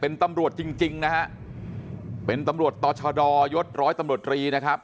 เป็นตำรวจจริงจริงนะฮะเป็นตำรวจต่อชะดอยศร้อยตำรวจรีนะครับ